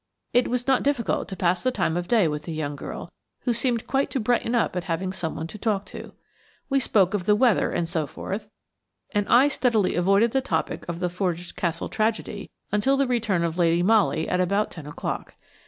It was not difficult to pass the time of day with the young girl, who seemed quite to brighten up at having someone to talk to . We spoke of the weather and so forth, and I steadily avoided the topic of the Fordwych Castle tragedy until the return of Lady Molly at about ten o'clock.